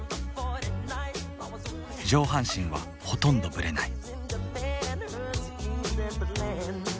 上半身はほとんどブレない。